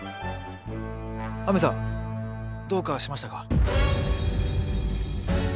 亜美さんどうかしましたか？